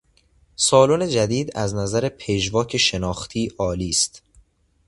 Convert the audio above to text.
سالن جدید از نظر پژواک شناختی عالی است.